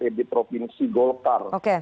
ketua dpp provinsi golkar